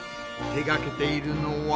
手がけているのは。